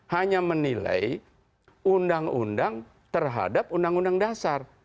hanya menilai undang undang terhadap undang undang dasar